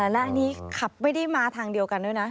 และอันนี้ขับไม่ได้มาทางเดียวกันด้วยนะ